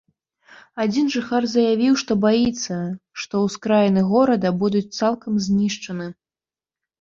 Адзін жыхар заявіў, што баіцца, што ўскраіны горада будуць цалкам знішчаны.